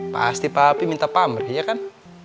pasti pak pi minta pamrih ya kan